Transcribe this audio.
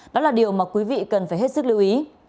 đó là điều mà quý vị cần phải hết sức lưu ý